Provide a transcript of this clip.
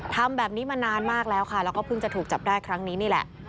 ทำแบบนี้มานานมากแล้วค่ะแล้วก็เพิ่งจะถูกจับได้ครั้งนี้นี่แหละ